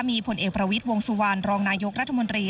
มีผลเอกประวิทย์วงสุวรรณรองนายกรัฐมนตรี